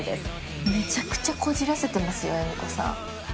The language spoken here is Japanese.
めちゃくちゃこじらせてますよエミコさん。